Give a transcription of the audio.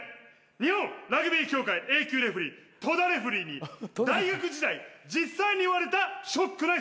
日本ラグビー協会Ａ級レフェリー戸田レフェリーに大学時代実際に言われたショックな一言。